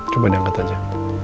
coba diangkat aja